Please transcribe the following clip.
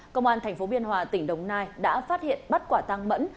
công an tp biên hòa tỉnh đồng nai đã phát hiện bắt quả tăng mẫn